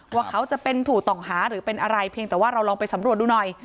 ว่าเขาจะเป็นผู้ต้องหาหรือเป็นอะไรเพียงแต่ว่าเราลองไปสำรวจดูหน่อย